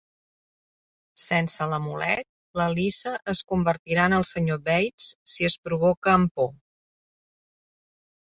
Sense l'amulet, l'Alyssa es convertirà en el senyor Bates si es provoca amb por.